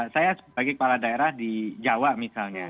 saya sebagai kepala daerah di jawa misalnya